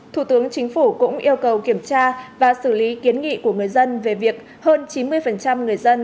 thủ tướng chính phủ cũng yêu cầu kiểm tra và xử lý kiến nghị của người dân về việc hơn chín mươi người dân